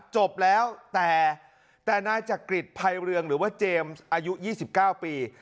จบแล้วแต่แต่น่าจะกริดภัยเรืองหรือว่าเจมส์อายุยี่สิบเก้าปี